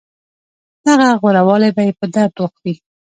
دغه غوره والی به يې په درد وخوري.